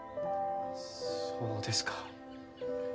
そうですか。